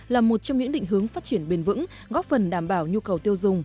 là một trong những định hướng phát triển bền vững góp phần đảm bảo nhu cầu tiêu dùng